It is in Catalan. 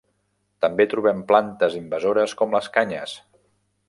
També trobem plantes invasores com les canyes.